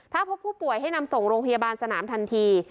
ถ้าพบผู้ป่วยให้นำส่งโรงพยาบาลสนามทันที